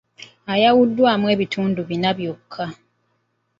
Ayawuddwamu ebitundu bina byokka.